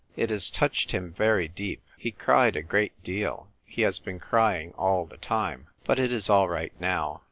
It has touched him very deep. He cried a great deal. He has been crying all the time. But it is all right now.